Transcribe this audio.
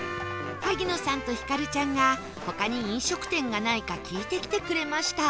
萩野さんとひかるちゃんが他に飲食店がないか聞いてきてくれました